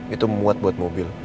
itu muat buat mobil